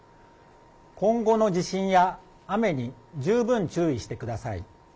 今後の地震や雨に十分注意してください。